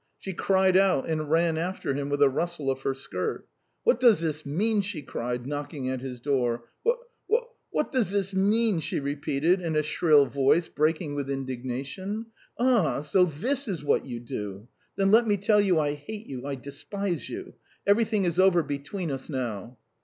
She cried out and ran after him with a rustle of her skirt. "What does this mean?" she cried, knocking at his door. "What ... what does this mean?" she repeated in a shrill voice breaking with indignation. "Ah, so this is what you do! Then let me tell you I hate you, I despise you! Everything is over between us now."